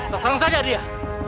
tasang saja dia